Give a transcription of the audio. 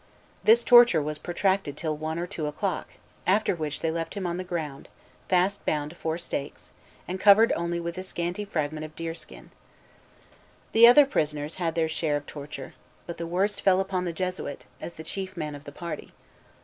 This torture was protracted till one or two o'clock, after which they left him on the ground, fast bound to four stakes, and covered only with a scanty fragment of deer skin. The other prisoners had their share of torture; but the worst fell upon the Jesuit, as the chief man of the party.